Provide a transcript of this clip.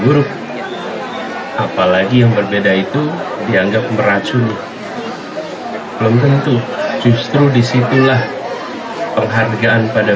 buruk apalagi yang berbeda itu dianggap meracuni belum tentu justru disitulah penghargaan pada